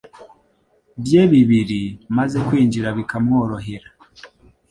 bye bibiri, maze kwinjira bikamworohera.